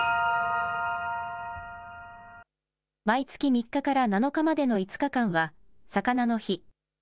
毎月３日から７日までの５日間はさかなの日。